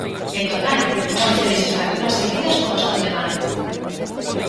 En total, once lexislaturas seguidas co bastón de mando.